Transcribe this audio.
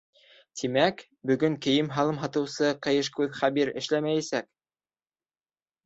Тимәк, бөгөн кейем-һалым һатыусы Ҡыйышкүҙ Хәбир эшләмәйәсәк.